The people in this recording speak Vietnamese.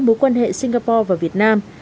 mối quan hệ singapore và việt nam